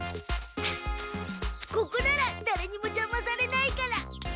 ここならだれにもじゃまされないから！